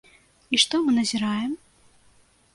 І што мы назіраем?